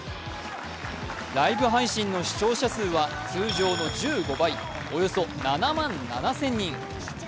ライブ配信の視聴者数は通常の１５倍、およそ７万７０００人。